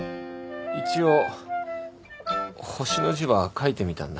一応「星」の字は書いてみたんだ。